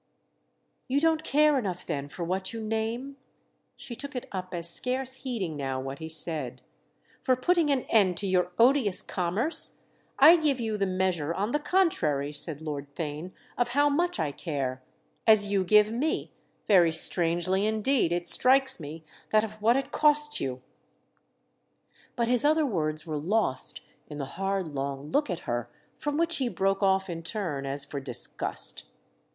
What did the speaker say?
"You don't care enough then for what you name?"—she took it up as scarce heeding now what he said. "For putting an end to your odious commerce—? I give you the measure, on the contrary," said Lord Theign, "of how much I care: as you give me, very strangely indeed, it strikes me, that of what it costs you—!" But his other words were lost in the hard long look at her from which he broke off in turn as for disgust.